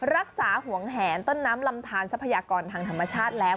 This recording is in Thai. รักษาหวงแหนต้นน้ำลำทานทรัพยากรทางธรรมชาติแล้ว